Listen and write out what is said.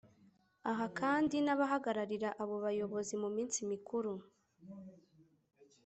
Aha kandi n’abahagararira abo bayobozi mu minsi mikuru